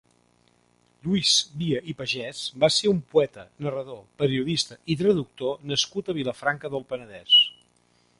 Lluís Via i Pagès va ser un poeta, narrador, periodista i traductor nascut a Vilafranca del Penedès.